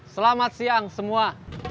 selamat siang semua